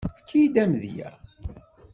Efket-iyi-d amedya.